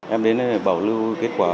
em đến đây bảo lưu kết quả